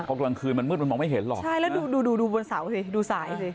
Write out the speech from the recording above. เพราะกลางคืนมันมืดมันมองไม่เห็นหรอกใช่แล้วดูดูดูบนเสาสิดูสายสิ